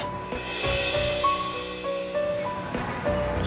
tapi kenapa dia juga dikeroyok ya